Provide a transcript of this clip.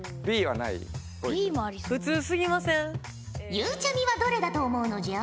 ゆうちゃみはどれだと思うのじゃ？